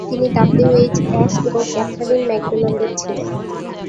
তিনি W H Ash এবং Catherine ম্যাকডোনাল্ডের ছেলে।